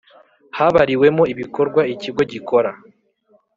Habariwemo ibikorwa ikigo gikora